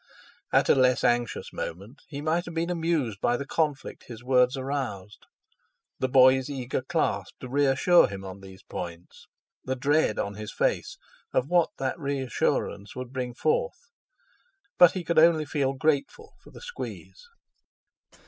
At a less anxious moment he might have been amused by the conflict his words aroused—the boy's eager clasp, to reassure him on these points, the dread on his face of what that reassurance would bring forth; but he could only feel grateful for the squeeze.